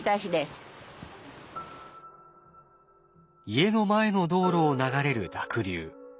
家の前の道路を流れる濁流。